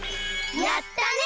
やったね！